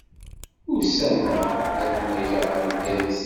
Ussan-a ad unageɣ ɣer Bgayet.